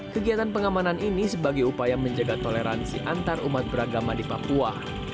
kegiatan pengamanan ini sebagai upaya menjaga toleransi antarumat beragama di papua